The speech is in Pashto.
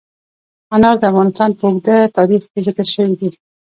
انار د افغانستان په اوږده تاریخ کې ذکر شوی دی.